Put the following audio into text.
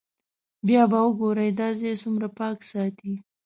بیا به وګورئ دا ځای څومره پاک ساتي.